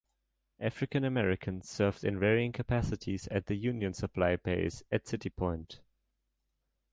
African Americans served in varying capacities at the Union supply base at City Point.